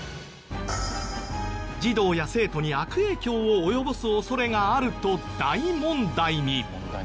児童や生徒に悪影響を及ぼす恐れがあると大問題に。